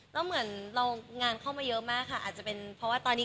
แล้วเหมือนเรางานเข้ามาเยอะมากค่ะอาจจะเป็นเพราะว่าตอนนี้